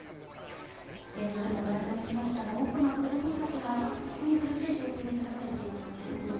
映像でもご覧いただきましたが、多くの子供たちが本当に苦しい状況に立たされていますね。